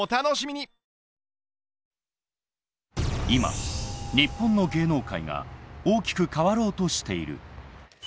今日本の芸能界が大きく変わろうとしている。